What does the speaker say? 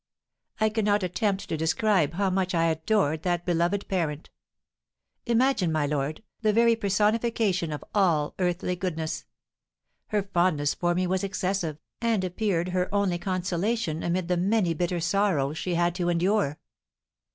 I cannot attempt to describe how much I adored that beloved parent. Imagine, my lord, the very personification of all earthly goodness. Her fondness for me was excessive, and appeared her only consolation amid the many bitter sorrows she had to endure.